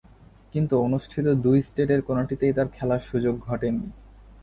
কিন্তু অনুষ্ঠিত দুই টেস্টের কোনটিতেই তার খেলার সুযোগ ঘটেনি।